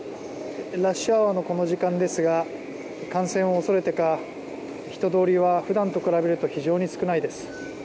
ラッシュアワーのこの時間ですが感染を恐れてか人通りは普段と比べると非常に少ないです。